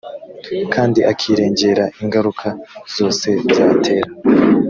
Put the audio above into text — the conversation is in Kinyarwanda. kandi akirengera ingaruka zose byatera